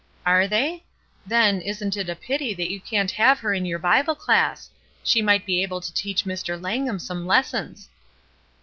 "Are they? Then, isn't it a pity that you can't have her in your Bible class? She might be able to teach Mr. Langham some lessons."